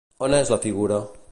On és la figura?